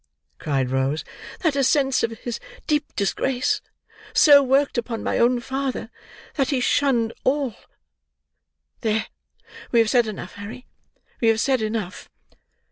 cried Rose. "That a sense of his deep disgrace so worked upon my own father that he shunned all—there, we have said enough, Harry, we have said enough."